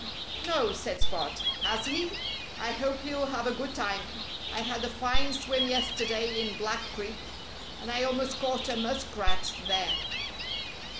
"No!" said Spot. "Has he? I hope he'll have a good time. I had a fine swim yesterday in Black Creek. And I almost caught a muskrat there."